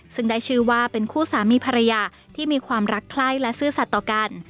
ซึ่งได้ชื่อว่าเป็นคู่สามีภรรยาที่มีความรักไคร้และซื่อสัตว์ต่อกัน